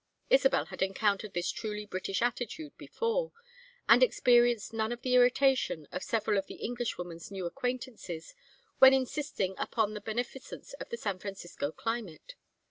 Isabel had encountered this truly British attitude before, and experienced none of the irritation of several of the Englishwoman's new acquaintances when insisting upon the beneficence of the San Francisco climate.